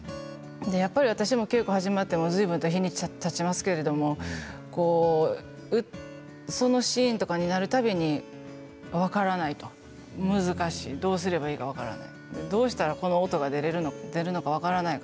私も稽古始まってもずいぶん日にちたちますけどそのシーンになるたびに分からない、難しいどうすればいいのか分からない。